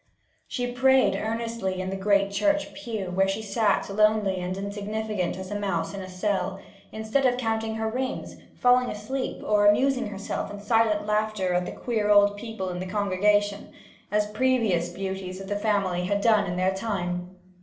She prayed earnestly in the great church pew, where she sat lonely and insignificant as a mouse in a cell, instead of counting her rings, falling asleep, or amusing herself in silent laughter at the queer old people in the congregation, as previous beauties of the family had done in their time.